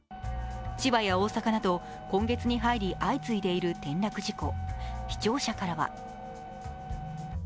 千葉や大阪など今月に入り相次いでいる転落事故。